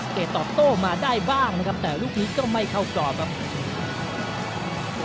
ตอบโต้มาได้บ้างนะครับแต่ลูกนี้ก็ไม่เข้ากรอบครับ